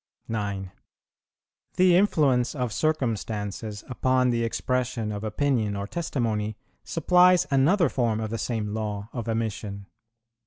9. The influence of circumstances upon the expression of opinion or testimony supplies another form of the same law of omission.